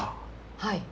はい。